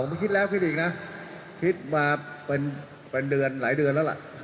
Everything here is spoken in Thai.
ไม่คิดแล้วคิดอีกนะคิดมาเป็นเดือนหลายเดือนแล้วล่ะ